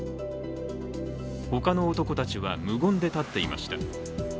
他の男たちは、無言で立っていました。